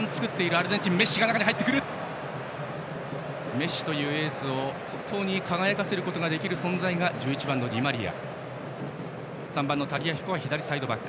メッシというエースを輝かせることのできる存在が１１番のディマリア。